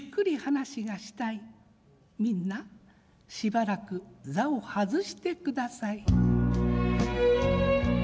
みんなしばらく席をはずしてください」。